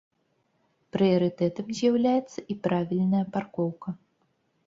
Прыярытэтам з'яўляецца і правільная паркоўка.